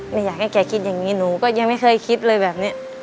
ไม่อยากให้แกคิดอย่างนี้หนูก็ยังไม่เคยคิดเลยแบบนี้